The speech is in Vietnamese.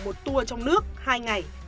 một tour trong nước hai ngày